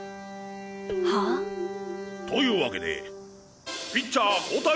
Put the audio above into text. はぁ？というわけでピッチャー交代！